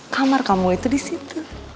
kamar kamu itu disitu